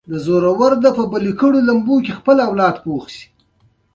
ما دوه ویشت کاله مخکي د پروفیسر سیال کاکړ په توسط پېژندلی و